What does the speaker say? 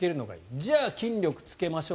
じゃあ、筋力つけましょう。